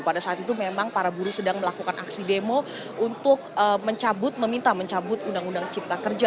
pada saat itu memang para buruh sedang melakukan aksi demo untuk mencabut meminta mencabut undang undang cipta kerja